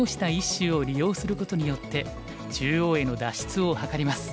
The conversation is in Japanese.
１子を利用することによって中央への脱出を図ります。